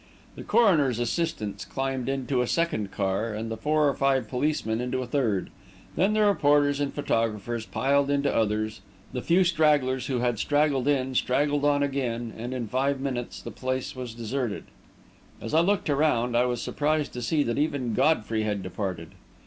The coroner's assistants climbed into a second car, and the four or five policemen into a third. Then the reporters and photographers piled into the others, the few stragglers who had straggled in straggled on again, and in five minutes the place was deserted. As I looked around, I was surprised to see that even Godfrey had departed.